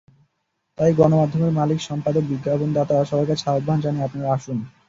তাই গণমাধ্যমের মালিক, সম্পাদক, বিজ্ঞাপনদাতা সবার কাছে আহ্বান জানাই, আপনারা আসুন।